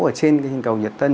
ở trên cầu nhật tân